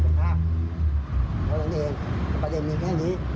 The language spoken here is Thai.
เพราะฉะนั้นเองประเด็นมีแค่นี้